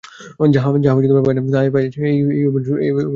যাহা পায় নাই তাহাই পাইয়াছে এই অভিনয়টুকু করিয়া যাওয়ার জন্য?